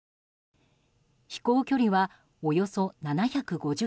飛行距離は、およそ７５０ｋｍ。